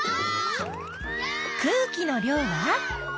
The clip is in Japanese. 空気の量は？